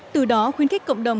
từ đó khuyến khích cộng đồng